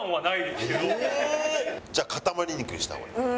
じゃあ塊肉にした方がいい。